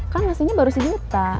kan ngasihnya baru satu juta